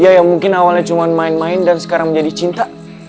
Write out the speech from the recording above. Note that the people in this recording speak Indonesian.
ya yang mungkin awalnya cuma main main dan sekarang menjadi cinta